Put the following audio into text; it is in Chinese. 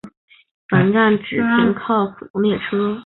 本站只停靠普通列车。